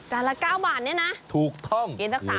จานละ๙บาทนี่นะโอ้โหไม่ได้หรอกถูกท่อง